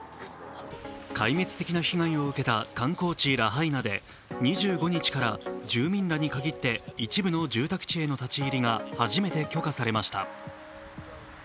壊滅的な被害を受けた観光地・ラハイナで２５日から住民らに限って一部の住宅地への立ち入りが初めて許可されました。